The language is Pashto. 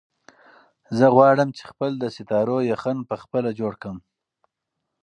زه غواړم چې خپل د ستارو یخن په خپله جوړ کړم.